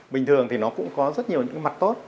bình thường thì nó cũng có rất nhiều những cái mặt tốt